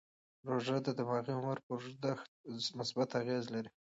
روژه د دماغي عمر پر اوږدښت مثبت اغېز لري.